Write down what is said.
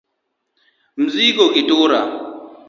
Mizigo gi tura